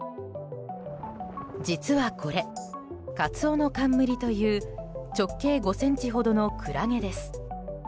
実はこれカツオノカンムリという直径５ｃｍほどのクラゲです。